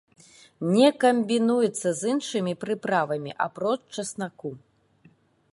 Не камбінуецца з іншымі прыправамі, апроч часнаку.